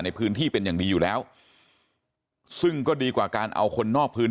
ในพื้นที่เป็นอย่างดีอยู่แล้วซึ่งก็ดีกว่าการเอาคนนอกพื้น